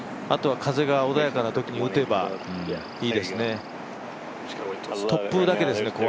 あとは風が穏やかなときに打てばいいですね。